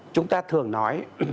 chúng ta thường nói